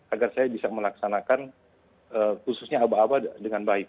agar saya bisa melaksanakan khususnya aba aba dengan baik